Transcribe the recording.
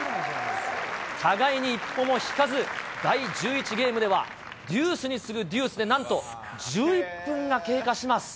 互いに一歩も引かず、第１１ゲームでは、デュースに次ぐデュースで、なんと１１分が経過します。